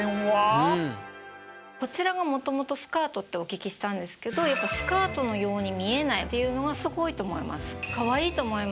こちらが。ってお聞きしたんですけどスカートのように見えないっていうのがすごいと思います。